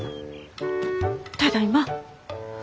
ただいま。